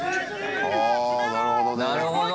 あなるほどね。なるほど。